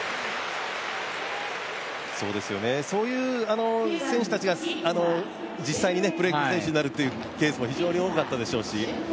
そういう選手たちが実際にプロ野球選手になるっていうケースも非常に多かったでしょうし。